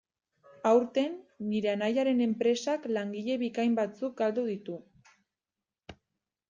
Aurten, nire anaiaren enpresak langile bikain batzuk galdu ditu.